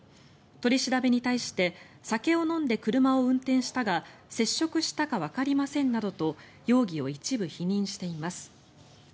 取り調べに対して酒を飲んで車を運転したが接触したかはわかりませんなどと容疑を一部否認しています。